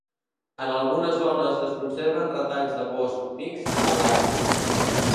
En algunes zones es conserven retalls de bosc mixt atlàntic.